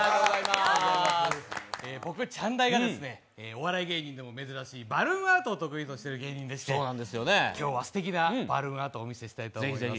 僕、ちゃんだいがお笑い芸人でも珍しいバルーンアートを得意としている芸人でして、今日はすてきなバルーンアートをお見せしたいと思います。